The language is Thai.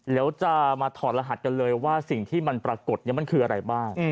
แล้วจะมาถอดรหัสกันเลยว่าสิ่งที่มันปรากฏมันคืออะไรบ้าง